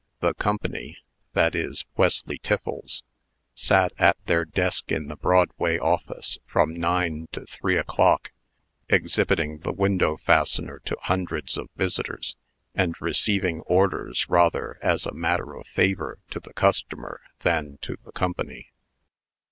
The Company that is, Wesley Tiffles sat at their desk in the Broadway office from, nine to three o'clock, exhibiting the window fastener to hundreds of visitors, and receiving orders rather as a matter of favor to the customer than to the Company.